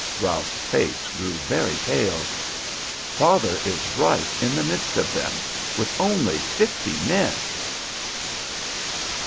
Ralph's face grew very pale. "Father is right in the midst of them, with only fifty men!"